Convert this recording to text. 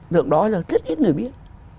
tượng đó rất ít người biết